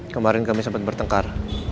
kemarin kami sempet bertengkar